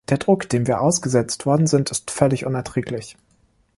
Der Druck, dem wir ausgesetzt worden sind, ist völlig unerträglich.